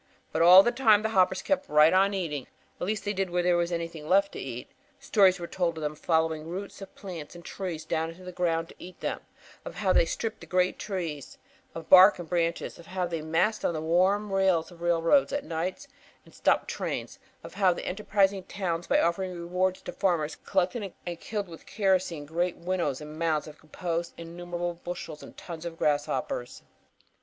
But all the time the hoppers kept right on eating; at least they did where there was anything left to eat. Stories were told of their following roots of plants and trees down into the ground to eat them; of how they stripped great trees of bark and branches; of how they massed on the warm rails of railroads at nights and stopped trains; of how enterprising towns by offering rewards to farmers collected and killed with kerosene great winrows and mounds composed of innumerable bushels and tons of grasshoppers.